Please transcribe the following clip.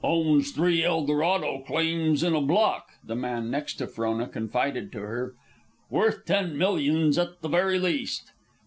"Owns three Eldorado claims in a block," the man next to Frona confided to her. "Worth ten millions at the very least."